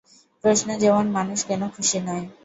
প্রশ্ন যেমন মানুষ কেন খুশি নয়।